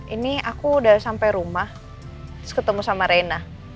ini aku udah sampai rumah terus ketemu sama reina